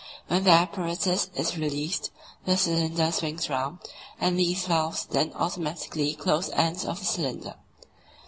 When the apparatus is released, the cylinder swings round, and these valves then automatically close the ends of the cylinder.